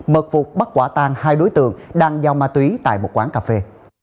mật phục bắt quả tang hai đối tượng đang giao ma túy tại một quán cà phê